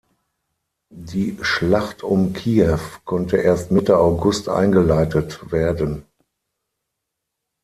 Die Schlacht um Kiew konnte erst Mitte August eingeleitet werden.